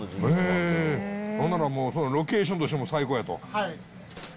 へぇ、そんならロケーションとしても最高やと？